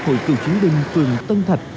hội kiệu chiến binh phường tân thạch